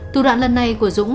tù đoạn lần này của dũng